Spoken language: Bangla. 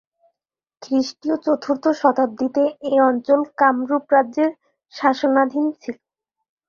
খ্রিষ্টীয় চতুর্থ শতাব্দীতে এ অঞ্চল কামরূপ রাজ্যের শাসনাধীন ছিল।